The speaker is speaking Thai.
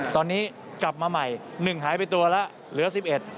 ตอนนี้กลับมาใหม่๑หายไปตัวแล้วเหลือ๑๑